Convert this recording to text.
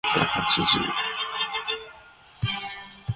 The game is played from the perspective of Mario, riding on Yoshi's back.